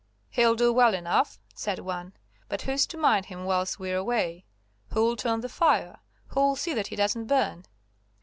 "He'll do well enough," said one; "but who's to mind him whilst we're away, who'll turn the fire, who'll see that he doesn't burn?"